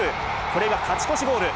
これが勝ち越しゴール。